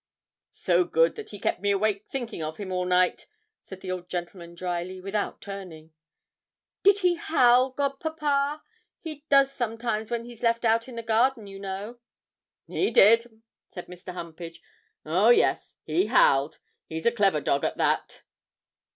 'So good that he kept me awake thinking of him all night,' said the old gentleman drily, without turning. 'Did he howl, godpapa? He does sometimes when he's left out in the garden, you know.' 'He did,' said Mr. Humpage. 'Oh, yes he howled; he's a clever dog at that.'